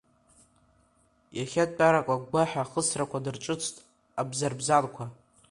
Иахьантәарак агәгәаҳәа ахысрақәа дырҿыцт абзарбзанқәа.